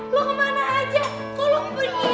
lu kemana aja kok lu pergi